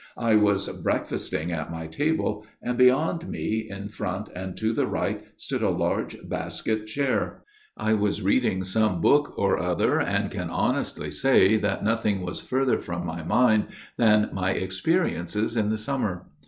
" I was breakfasting at my table, and beyond me, in front and to the right stood a large basket chair. I was reading some book or other, and can honestly say that nothing was further from my mind than my experiences in the summer.